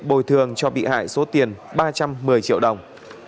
bồi thường cho bị hại số tiền ba trăm một mươi triệu đồng